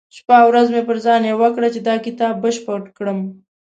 شپه او ورځ مې پر ځان يوه کړه چې دا کتاب بشپړ کړم.